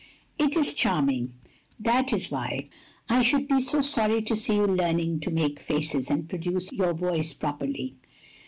"It is charming. That is why I should be so sorry to see you learning to make faces, and produce your voice properly.